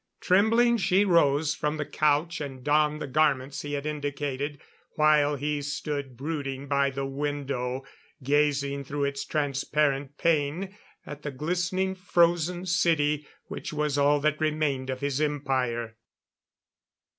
Trembling, she rose from the couch and donned the garments he had indicated, while he stood brooding by the window, gazing through its transparent pane at the glistening frozen city which was all that remained of his empire.